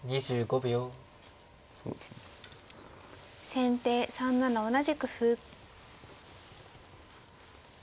先手３七同じく歩。